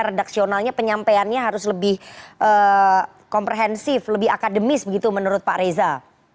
redaksionalnya penyampaiannya harus lebih komprehensif lebih akademis begitu menurut pak reza